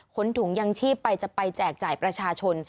ถุงยังชีพไปจะไปแจกจ่ายประชาชน